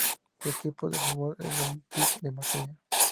Su equipo de fútbol es el Olympique de Marsella.